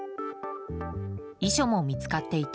遺書も見つかっていて。